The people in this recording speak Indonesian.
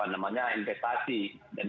dan memang benar seperti yang dikatakan pak jokowi